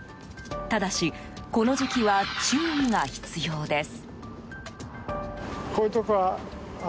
ただし、この時期は注意が必要です。